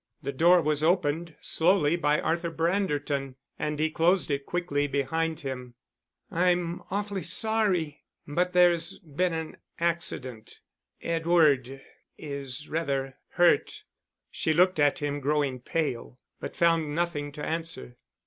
The door was opened slowly by Arthur Branderton, and he closed it quickly behind him. "I'm awfully sorry, but there's been an accident. Edward is rather hurt." She looked at him, growing pale, but found nothing to answer.